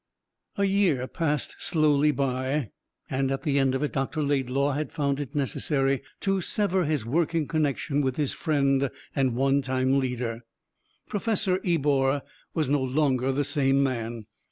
3 A year passed slowly by, and at the end of it Dr. Laidlaw had found it necessary to sever his working connexion with his friend and one time leader. Professor Ebor was no longer the same man.